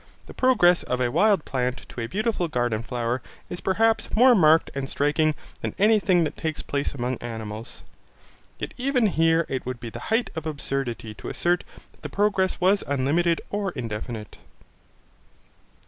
The progress of a wild plant to a beautiful garden flower is perhaps more marked and striking than anything that takes place among animals, yet even here it would be the height of absurdity to assert that the progress was unlimited or indefinite.